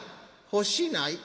『欲しない』。